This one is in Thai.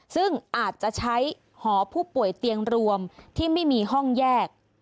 ซึ่งอาจจะใช้หอผู้ป่วยเตียงรวมที่ไม่มีห้องแยก